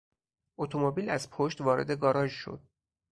اتومبیل از پشت وارد گاراژ شد.